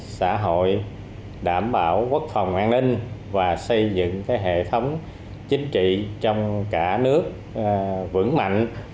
xã hội đảm bảo quốc phòng an ninh và xây dựng hệ thống chính trị trong cả nước vững mạnh